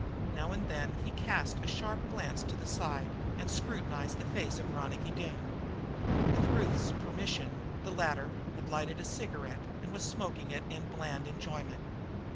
Now and then he cast a sharp glance to the side and scrutinized the face of Ronicky Doone. With Ruth's permission, the latter had lighted a cigarette and was smoking it in bland enjoyment.